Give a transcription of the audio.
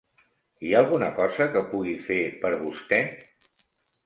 Hi ha alguna cosa que pugui fer per vostè?